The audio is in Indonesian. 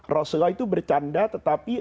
rasulullah itu bercanda tetapi